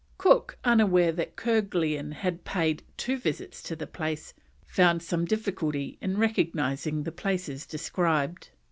Cook, unaware that Kerguelen had paid two visits to the place, found some difficulty in recognising the places described.